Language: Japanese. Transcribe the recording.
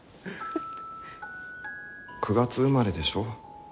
９月生まれでしょ。